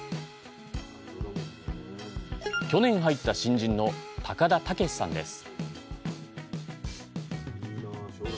去年入った新人の高田竹志さんです